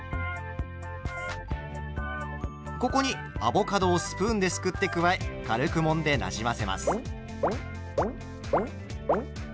ここにアボカドをスプーンですくって加え軽くもんでなじませます。